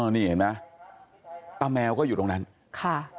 นี่เห็นไหมตาแมวก็อยู่ตรงนั้นค่ะ